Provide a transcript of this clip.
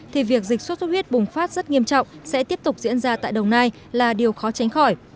thì việc dịch sốt xuất huyết bùng phát rất nghiêm trọng sẽ tiếp tục diễn ra tại đồng nai là điều khó tránh khỏi